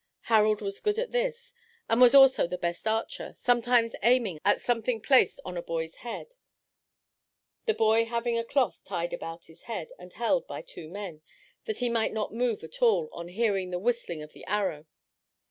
Harald was good at this, and was also the best archer, sometimes aiming at something placed on a boy's head, the boy having a cloth tied around his head, and held by two men, that he might not move at all on hearing the whistling of the arrow.